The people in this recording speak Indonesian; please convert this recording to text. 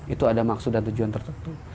itu ada maksud dan tujuan tertentu